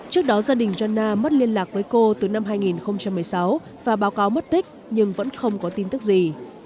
trước đó gia đình genna mất liên lạc với cô từ năm hai nghìn một mươi sáu và báo cáo mất tích nhưng vẫn không có tin tức gì